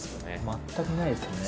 全くないですね。